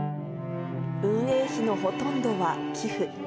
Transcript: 運営費のほとんどは寄付。